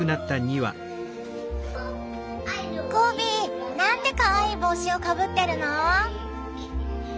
ゴビなんてかわいい帽子をかぶってるの。